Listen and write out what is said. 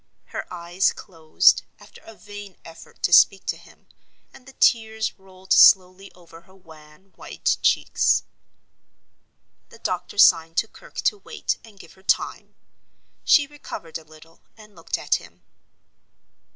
Her eyes closed, after a vain effort to speak to him, and the tears rolled slowly over her wan white cheeks. The doctor signed to Kirke to wait and give her time. She recovered a little and looked at him.